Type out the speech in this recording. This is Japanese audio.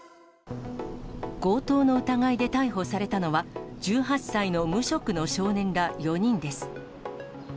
強盗の疑いで逮捕されたのは、１８歳の無職の少年ら４人です。